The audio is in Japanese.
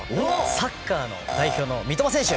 サッカーの代表の三笘選手！